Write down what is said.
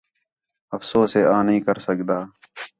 افسوس ہے آں نِھیں کر سڳدا